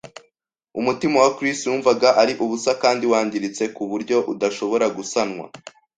Umutima wa Chris wumvaga ari ubusa kandi wangiritse ku buryo udashobora gusanwa.